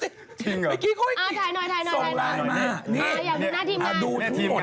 ส่งออกดูสิ